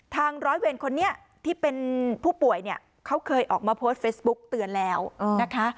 ร้อยเวรคนนี้ที่เป็นผู้ป่วยเนี่ยเขาเคยออกมาโพสต์เฟซบุ๊กเตือนแล้วนะคะ